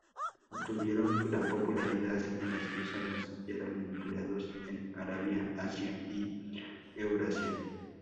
Obtuvieron gran popularidad en las Cruzadas, y eran empleados en Arabia, Asia y Eurasia.